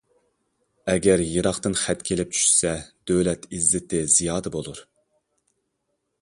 ئەگەر يىراقتىن خەت كېلىپ چۈشىسە دۆلەت-ئىززىتى زىيادە بولۇر.